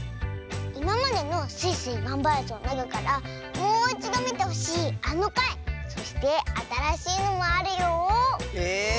いままでの「スイスイ！がんばるぞ」のなかからもういちどみてほしいあのかいそしてあたらしいのもあるよ。